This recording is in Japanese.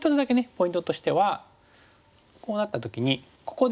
ポイントとしてはこうなった時にここですよね。